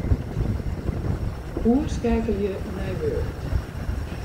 Oerskeakelje nei Word.